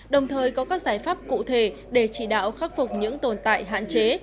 đồng thời có các giải pháp cụ thể để chỉ đạo khắc phục những tồn tại hạn chế